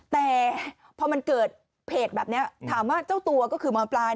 แต่พอมันเกิดเหตุแบบนี้ถามว่าเจ้าตัวก็คือหมอปลาย